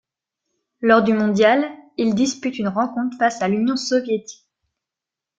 Lors du mondial, il dispute une rencontre face à l'Union soviétique.